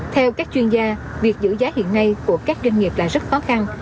theo các chuyên gia việc giữ giá hiện nay của các doanh nghiệp là rất khó khăn